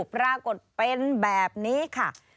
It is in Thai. ปรากฏเป็นแบบนี้ค่ะ